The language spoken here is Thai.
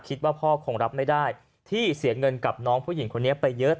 คิดว่าพ่อคงรับไม่ได้ที่เสียเงินกับน้องผู้หญิงคนนี้ไปเยอะ